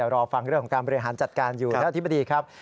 รอฟังเรื่องของการบริหารจัดการอยู่ท่านอธิบดีครับ